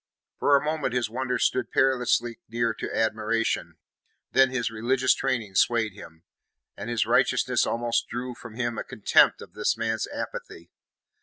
For a moment his wonder stood perilously near to admiration; then his religious training swayed him, and his righteousness almost drew from him a contempt of this man's apathy.